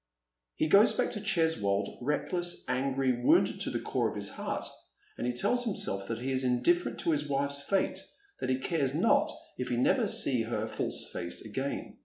He goes back to Cheswold reckless, angry, wounded to the core of his heart, and he tells himself that he is indifferent to his wife's fate, that he cares not if he never see her false face again.